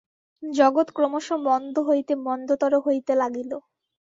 জগৎ ক্রমশ মন্দ হইতে মন্দতর হইতে লাগিল।